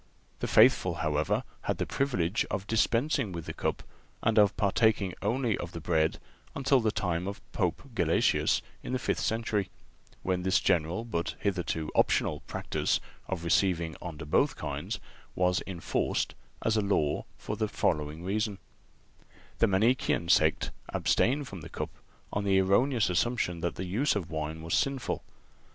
The faithful, however, had the privilege of dispensing with the cup and of partaking only of the bread until the time of Pope Gelasius, in the fifth century, when this general, but hitherto optional, practice of receiving under both kinds was enforced as a law for the following reason: The Manichean sect abstained from the cup on the erroneous assumption that the use of wine was sinful.